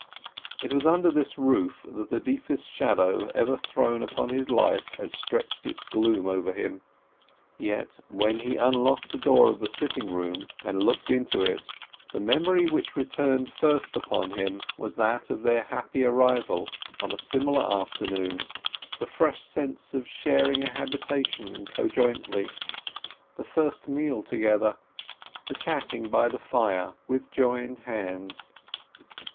It was under this roof that the deepest shadow ever thrown upon his life had stretched its gloom over him. Yet when he had unlocked the door of the sitting room and looked into it, the memory which returned first upon him was that of their happy arrival on a similar afternoon, the first fresh sense of sharing a habitation conjointly, the first meal together, the chatting by the fire with joined hands.